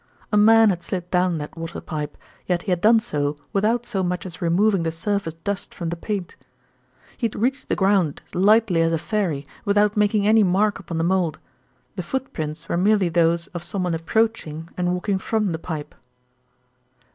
A man had slid down that water pipe; yet he had done so without so much as removing the surface dust from the paint. "He had reached the ground as lightly as a fairy, without making any mark upon the mould; the footprints were merely those of someone approaching and walking from the pipe."